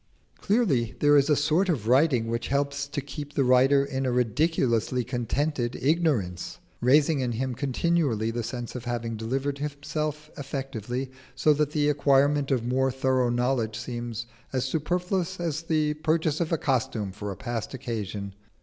Clearly there is a sort of writing which helps to keep the writer in a ridiculously contented ignorance; raising in him continually the sense of having delivered himself effectively, so that the acquirement of more thorough knowledge seems as superfluous as the purchase of costume for a past occasion.